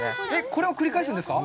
これを繰り返すんですか？